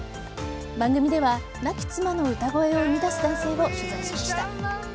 番組では亡き妻の歌声を生み出す男性を取材しました。